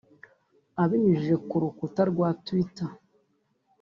Abinyujije ku rukuta rwa titter